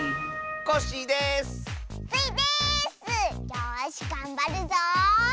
よしがんばるぞ！